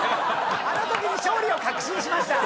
あのときに勝利を確信しました。